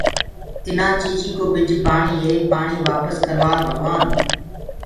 اٚينآ چيٚجينٚ ڪو ٻج پآڻيٚ هي پآڻيٚ وآپس ڪرَوآد ڀگوآن